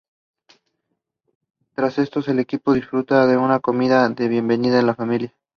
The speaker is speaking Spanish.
Tras esto el equipo disfruta de una comida de bienvenida en familia.